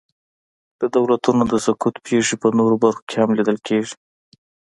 د دولتونو د سقوط پېښې په نورو برخو کې هم لیدل کېږي.